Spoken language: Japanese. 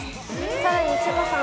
さらに志麻さん